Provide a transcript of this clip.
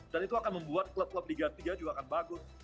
dan itu akan membuat klub klub liga tiga juga akan bagus